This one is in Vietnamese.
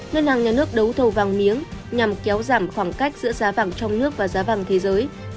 ngân hàng nhà nước đấu thầu vàng miếng nhằm kéo giảm khoảng cách giữa giá vàng trong nước và giá vàng thế giới